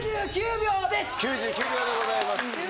９９秒でございます。